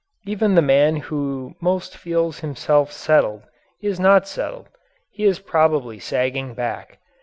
Even the man who most feels himself "settled" is not settled he is probably sagging back.